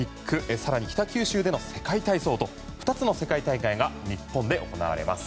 更に、北九州での世界体操と２つの世界大会が日本で行われます。